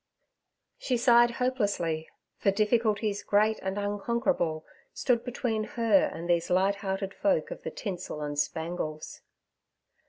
She sighed hopelessly, for difficulties great and unconquerable stood between her and these light hearted folk of the tinsel and spangles.